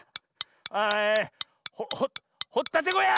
あほったてごや！